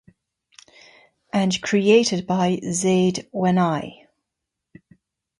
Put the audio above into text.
And created by zaid wani.